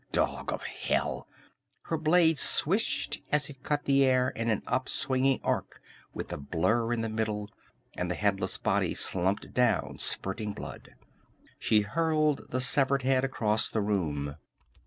"Dog of hell!" Her blade swished as it cut the air in an upswinging arc with a blur in the middle, and the headless body slumped down, spurting blood. She hurled the severed head across the room.